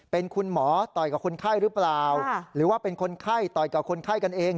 เป็นคุณหมอต่อยกับคนไข้หรือเปล่าหรือว่าเป็นคนไข้ต่อยกับคนไข้กันเอง